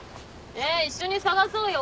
え一緒に探そうよ